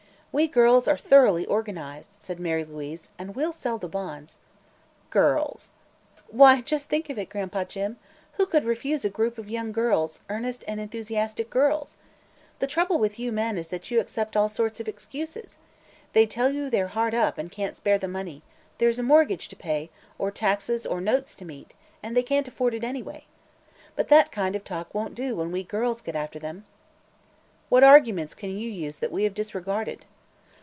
"We girls are thoroughly organized," said Mary Louise, "and we'll sell the bonds." "Girls!" "Why, just think of it, Gran'pa. Who would refuse a group of young girls earnest and enthusiastic girls? The trouble with you men is that you accept all sorts of excuses. They tell you they're hard up and can't spare the money; there's a mortgage to pay, or taxes or notes to meet, and they can't afford it, anyway. But that kind of talk won't do when we girls get after them." "What arguments can you use that we have disregarded?"